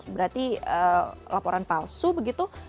berarti laporan palsu begitu